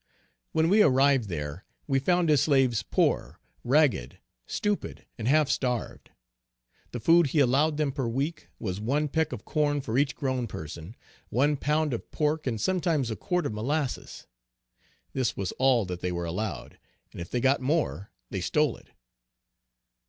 When we arrived there, we found his slaves poor, ragged, stupid, and half starved. The food he allowed them per week, was one peck of corn for each grown person, one pound of pork, and sometimes a quart of molasses. This was all that they were allowed, and if they got more they stole it.